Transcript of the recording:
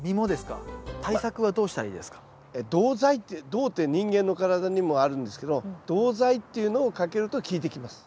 銅って人間の体にもあるんですけど銅剤っていうのをかけると効いてきます。